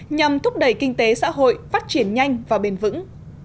nhằm thúc đẩy kinh tế xã hội phát triển nhanh và bền vững